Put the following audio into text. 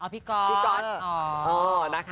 พี่ก๊อต